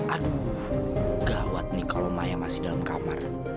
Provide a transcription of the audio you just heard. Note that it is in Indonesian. aduh gawat nih kalau maya masih dalam kamar